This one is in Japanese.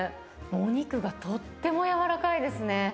お肉がとってもやわらかいですね。